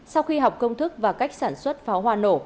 sau khi học công thức và cách sản xuất pháo hoa nổ